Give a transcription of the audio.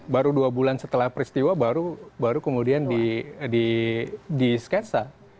baru dua bulan setelah peristiwa baru kemudian di sketsa